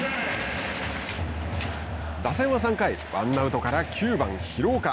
打線は３回ワンアウトから９番廣岡。